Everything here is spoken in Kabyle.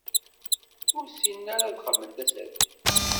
Ur ssinen ara ad xedmen tasertit.